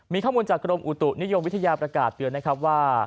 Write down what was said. มีข้อมูลจากกรมอุตุนิยมวิทยาประกาศเตือนนะครับว่า